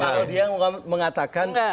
dia mengatakan penguasa